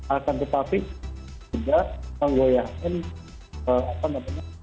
akan tetapi juga menggoyahkan apa namanya